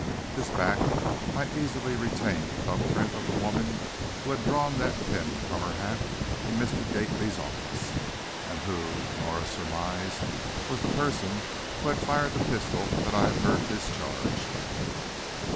This back might easily retain the thumb print of the woman who had drawn that pin from her hat in Mr. Gately's office. And who, Norah surmised, was the person who had fired the pistol that I had heard discharged.